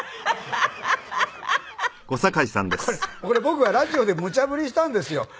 これ僕がラジオでむちゃ振りしたんですよ。